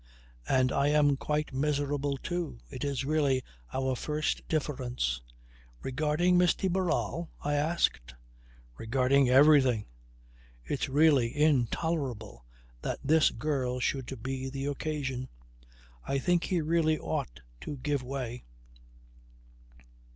"And I am quite miserable too. It is really our first difference ..." "Regarding Miss de Barral?" I asked. "Regarding everything. It's really intolerable that this girl should be the occasion. I think he really ought to give way."